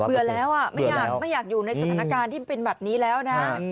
เบื่อแล้วไม่อยากอยู่ในสถานการณ์ที่เป็นแบบนี้แล้วนะ